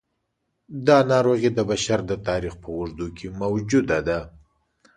دا ناروغي د بشر د تاریخ په اوږدو کې موجوده ده.